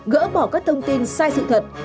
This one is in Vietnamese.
gỡ bỏ các thông tin sai sự thật